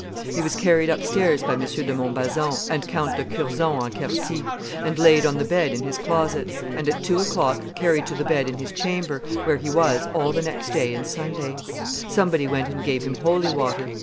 He was carried up stairs by M. de Montbazon and Count de Curzon en Quercy, and laid on the bed in his closet, and at two o'clock carried to the bed in his chamber, where he was all the next day and Sunday. Somebody went and gave him holy water.